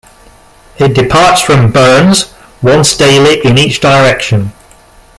It departs from Burns once daily in each direction.